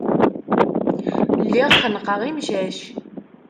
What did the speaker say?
Lliɣ xennqeɣ imcac.